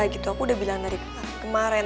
gitu aku udah bilang dari kemarin